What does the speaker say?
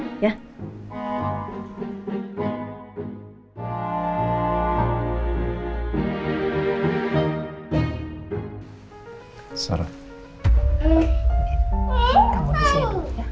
kamu disini ya temenin aku sama anak anak